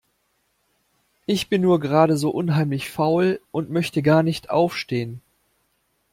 Ich bin nur gerade so unheimlich faul. Und möchte gar nicht aufstehen.